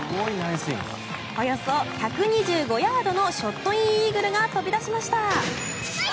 およそ１２５ヤードのショットインイーグルが飛び出しました。